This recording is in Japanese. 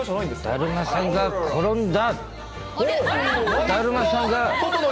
だるまさんが転んだ。